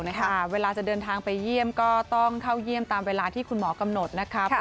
เวลาจะเดินทางไปเยี่ยมก็ต้องเข้าเยี่ยมตามเวลาที่คุณหมอกำหนดนะครับ